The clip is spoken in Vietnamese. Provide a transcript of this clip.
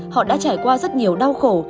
họ đã trải qua rất nhiều đau khổ